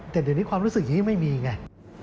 แต่เดี๋ยวนี้ความรู้สึกยังไม่มีไง